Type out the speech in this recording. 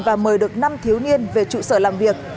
và mời được năm thiếu niên về trụ sở làm việc